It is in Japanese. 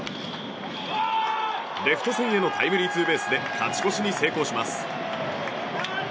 レフト線へのタイムリーツーベースで勝ち越しに成功します。